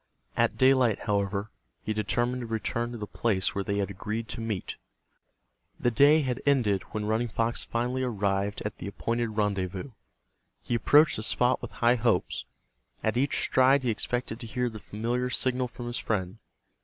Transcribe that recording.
At daylight, however, he determined to return to the place where they had agreed to meet. The day had ended when Running Fox finally arrived at the appointed rendezvous. He approached the spot with high hopes. At each stride he expected to hear the familiar signal from his friend.